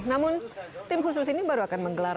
namun tim khusus ini baru akan menggelar